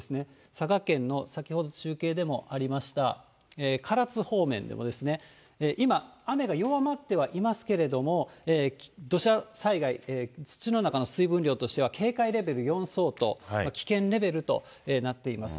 佐賀県の先ほど中継でもありました唐津方面でもですね、今、雨が弱まってはいますけれども、土砂災害、土の中の水分量としては警戒レベル４相当、危険レベルとなっています。